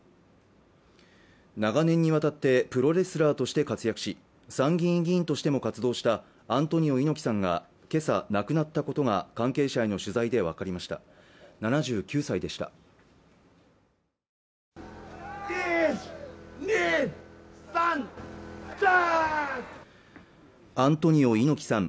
長年にわたってプロレスラーとして活躍し参議院議員としても活動したアントニオ猪木さんが今朝亡くなったことが関係者への取材で分かりました７９歳でしたアントニオ猪木さん